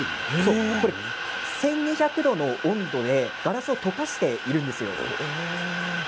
１２００度の温度でガラスを溶かしているんですよ。